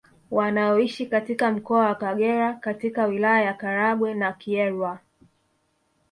Wanaoishi katika mkoa wa Kagera katika wilaya ya Karagwe na Kyerwa